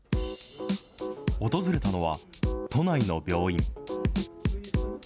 訪れたのは都内の病院。